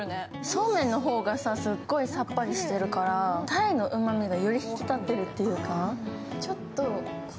そうめんの方がすごいさっぱりしてるから鯛のうまみが、より引き立ってるというか。